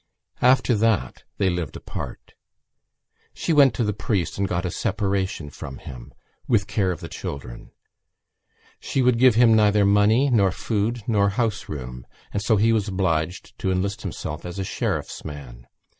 After that they lived apart. She went to the priest and got a separation from him with care of the children. She would give him neither money nor food nor house room; and so he was obliged to enlist himself as a sheriff's man.